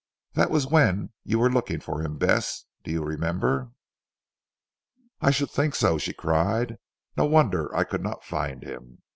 That was when you were looking for him, Bess. Do you remember?" "I should think so," she cried. "No wonder I could not find him.